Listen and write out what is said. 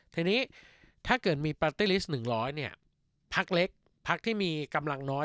ทีนี้ถ้าเกิดมีปาร์ตี้ลิสต์หนึ่งร้อยเนี้ยพักเล็กพักที่มีกำลังน้อย